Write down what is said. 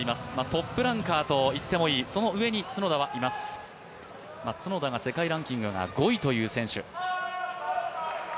トップランカーといってもいい、その上に角田はいます、角田が世界ランキングが５位という選手。